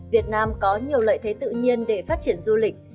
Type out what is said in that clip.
việt nam có nhiều lợi thế tự nhiên để phát triển du lịch